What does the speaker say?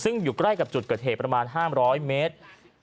ซึ่งอยู่ใกล้กับจุดเกิดเหตุประมาณ๕๐๐เมตร